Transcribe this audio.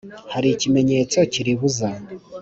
ahari ikimenyetso kiribuza